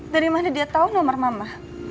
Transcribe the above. dari mana dia tahu nomor mama